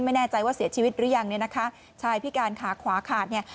ไม่แน่ใจว่าเสียชีวิตหรือยังเนี่ยนะคะชายพิการขาขวาขาดเนี่ย